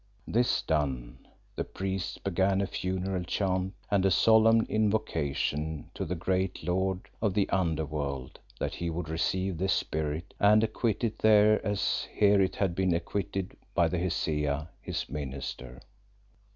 This done, the priests began a funeral chant and a solemn invocation to the great Lord of the Under world that he would receive this spirit and acquit it there as here it had been acquitted by the Hesea, his minister.